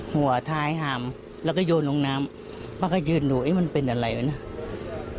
หัวท้ายหามแล้วก็โยนลงน้ำป้าก็ยืนดูเอ๊ะมันเป็นอะไรวะนะ